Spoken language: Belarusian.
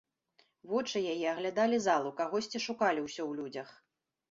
Вочы яе аглядалі залу, кагосьці шукалі ўсё ў людзях.